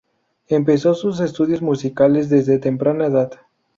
Empezó sus estudios musicales desde temprana edad.